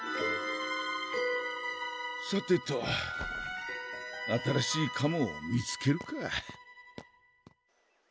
さてと新しいカモを見つけるか。